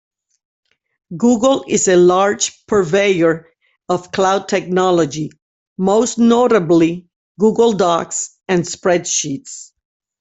Google is a large purveyor of cloud technology, most notably Google Docs and Spreadsheets.